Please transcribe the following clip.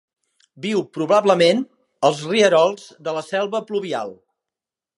Viu probablement als rierols de la selva pluvial.